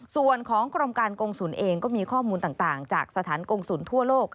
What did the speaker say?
ส่วนของกรมการกงศูนย์เองก็มีข้อมูลต่างจากสถานกงศูนย์ทั่วโลก